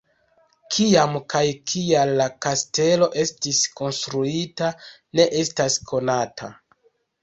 Kiam kaj kial la kastelo estis konstruita ne estas konata.